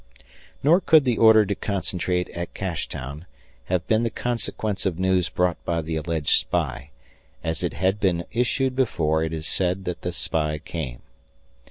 Nor could the order to concentrate at Cashtown have been the consequence of news brought by the alleged spy, as it had been issued before it is said that the spy came.